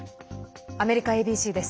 アメリカＡＢＣです。